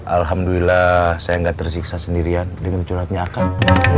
alhamdulillah saya nggak tersiksa sendirian dengan curhatnya akan